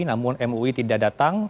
namun mui tidak datang